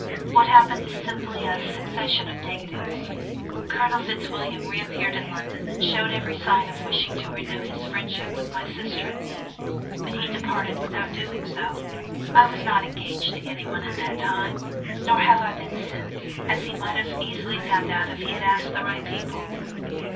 "What happened is simply a succession of negatives. Colonel Fitzwilliam reappeared in London, and showed every sign of wishing to renew his friendship with my sister and me, but he departed without doing so. I was not engaged to anyone at that time, nor have I been since, as he might have easily found out if he had asked the right people."